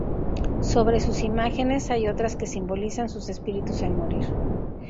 Sobre sus imágenes hay otras que simbolizan sus espíritus al morir.